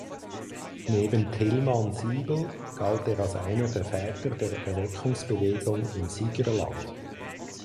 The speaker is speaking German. Neben Tillmann Siebel galt er als einer der Väter der Erweckungsbewegung im Siegerland.